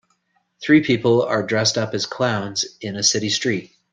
three people are dressed up as clowns in a city street.